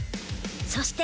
そして。